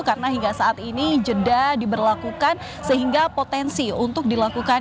karena hingga saat ini jeda diberlakukan sehingga potensi untuk dilakukan